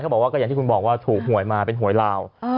บอกว่าก็อย่างที่คุณบอกว่าถูกหวยมาเป็นหวยลาว